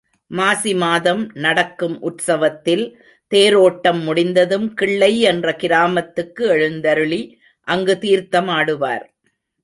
மாசி மாதம் நடக்கும் உற்சவத்தில் தேரோட்டம் முடிந்ததும் கிள்ளை என்ற கிராமத்துக்கு எழுந்தருளி அங்கு தீர்த்தமாடுவார்.